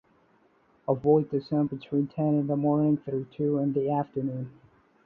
Avoid the sun between ten in the morning through two in the afternoon.